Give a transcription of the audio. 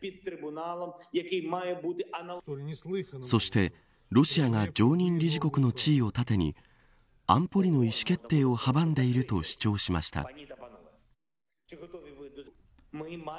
そして、ロシアが常任理事国の地位を盾に安保理の意志決定を阻んでいると主張しました。